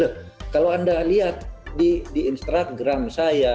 nah kalau anda lihat di instagram saya